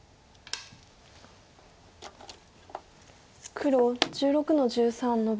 黒１６の十三ノビ。